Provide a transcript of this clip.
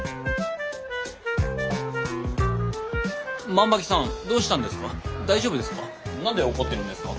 万場木さんどうしたんですか？